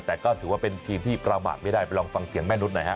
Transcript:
แต่ก็ถือว่าเป็นทีมที่ประมาทไม่ได้ไปลองฟังเสียงแม่นุษย์หน่อยฮะ